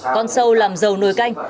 con sâu làm giàu nồi canh